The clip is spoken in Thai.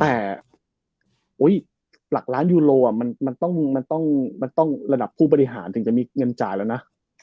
แต่หลักล้านยูโรมันต้องระดับผู้บริหารถึงจะมีเงินจ่ายแล้วนะ